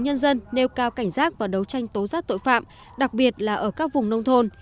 nhân dân nêu cao cảnh giác và đấu tranh tố giác tội phạm đặc biệt là ở các vùng nông thôn